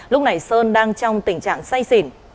lúc này sơn đang trong tình trạng say xỉn